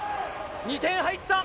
２点入った！